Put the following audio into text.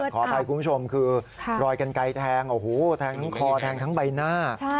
ขออภัยคุณผู้ชมคือรอยกันไกลแทงโอ้โหแทงทั้งคอแทงทั้งใบหน้า